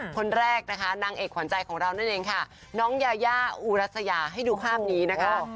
คนแรกนะคะนางเอกขวัญใจของเรานั่นเองค่ะน้องยายาอุรัสยาให้ดูภาพนี้นะคะ